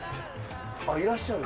あっいらっしゃる。